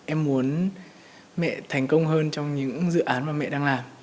em muốn mẹ thành công hơn trong những dự án mà mẹ đang làm